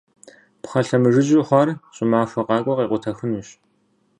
Пхъэ лъэмыжыжьу хъуар, щӏымахуэ къакӏуэ къекъутэхынущ.